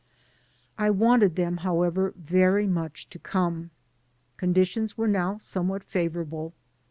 I wanted them, however, very much to come. Conditions were now somewhat favorable.